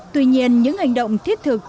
tuy nhiên những hành động thiết thực